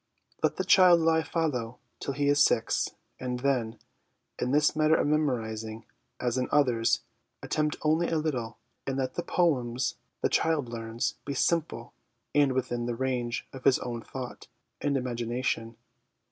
Let the child lie fallow till he is six, and then, in this matter of memorising, as in others, attempt only a little, and let the poems the child learns be simple and within the range of his own thought and ima gination.